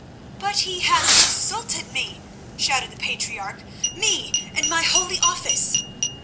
"But he has insulted me," shouted the patriarch, "me and my holy office."